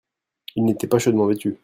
Il n'était pas chaudement vêtu.